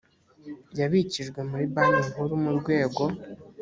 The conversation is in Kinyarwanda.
yabikijwe muri banki nkuru mu rwego